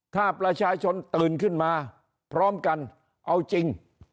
ถ้าประชาชนตื่นขึ้นมาพร้อมกันเอาจริง